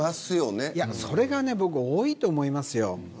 それが僕は多いと思いますよ。